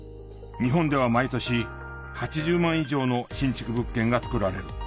日本では毎年８０万以上の新築物件が造られる。